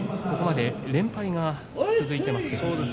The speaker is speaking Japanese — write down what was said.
ここまで連敗が続いています。